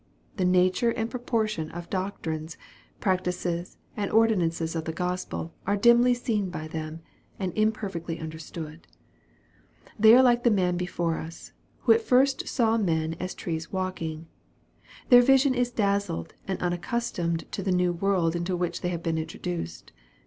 The nature and proportion of doctrines, practices, and ordinances of the Gospel are dimly seen by them, and imperfectly understood. They are like the man before us, who at first saw men as trees walking. Their vision is dazzled and unaccustomed to the new world into which they have been introduced.